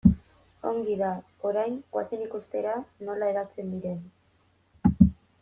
Ongi da, orain goazen ikustera nola hedatzen diren.